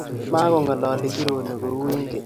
Makong'alali Kirono kou eng' keny.